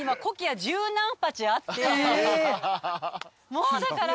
もうだから。